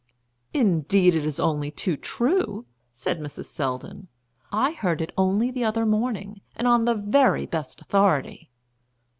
"Indeed, it is only too true," said Mrs. Selldon. "I heard it only the other morning, and on the very best authority.